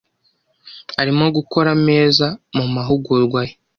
Arimo gukora ameza mumahugurwa ye.